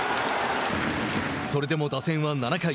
それでも打線は７回。